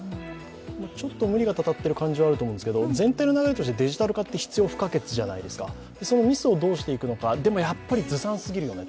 ちょっと無理がたたっている感じはあると思うんですけど、全体の流れとして、デジタル化って必要不可欠じゃないですか、でもミスをどうするのかとでも、やっぱりずさんすぎるよね。